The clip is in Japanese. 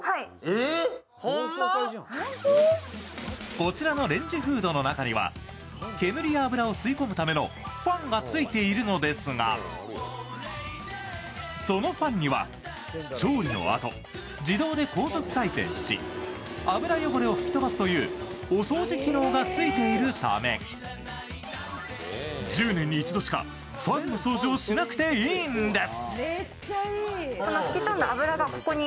こちらのレンジフードの中には煙や油を吸い込むためのファンがついているのですが、そのファンには調理のあと自動で高速回転し油汚れを吹き飛ばすというお掃除機能がついているため１０年に１度しかファンの掃除をしなくていいんです。